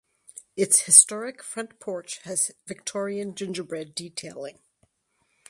Its historic front porch has Victorian gingerbread detailing.